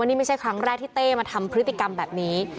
นี่ไม่ใช่ครั้งแรกที่เต้มาทำพฤติกรรมแบบนี้